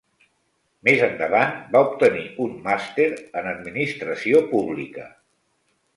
Més endavant va obtenir un Màster en administració pública.